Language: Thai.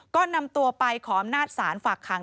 ก็นำตัวไปขออำนาจศาลฝากขัง